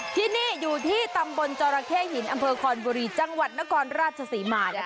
ที่นี่อยู่ที่ตำบลจรเข้หินอำเภอคอนบุรีจังหวัดนครราชศรีมา